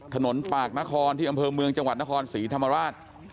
ถนนปากนครที่อำเภอเมืองจังหวัดนครศรีธรรมราช